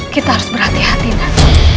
kita harus berhati hatilah